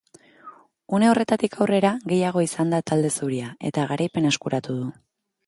Une horretatik aurrera, gehiago izan da talde zuria eta garaipena eskuratu du.